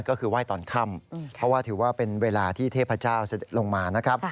ก็คือไหว้ตอนค่ำเพราะว่าถือว่าเป็นเวลาที่เทพเจ้าเสด็จลงมานะครับ